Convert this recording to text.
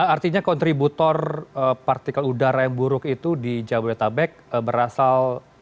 artinya kontributor partikel udara yang buruk itu di jabodetabek berasal